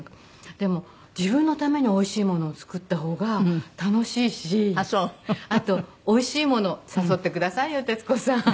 でも自分のためにおいしいものを作った方が楽しいしあとおいしいもの誘ってくださいよ徹子さん。